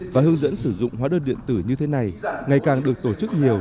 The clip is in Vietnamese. và hướng dẫn sử dụng hóa đơn điện tử như thế này ngày càng được tổ chức nhiều